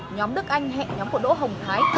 nhóm đức anh hẹn nhóm của đỗ hồng thái